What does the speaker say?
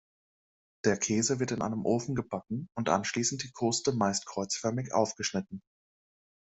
Der Käse wird in einem Ofen gebacken und anschließend die Kruste meist kreuzförmig aufgeschnitten.